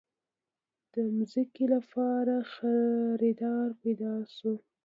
د ځمکې لپاره خريدار پېدا شو.